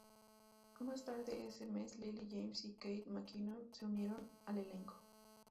Más tarde ese mes, Lily James y Kate McKinnon se unieron al elenco.